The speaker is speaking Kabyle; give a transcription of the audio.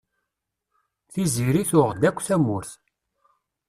Tiziri, tuɣ-d akk tamurt.